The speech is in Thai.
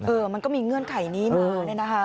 เออมันก็มีเงื่อนไขนี้มาเลยนะฮะ